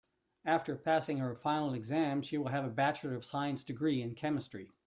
After passing her final exam she will have a bachelor of science degree in chemistry.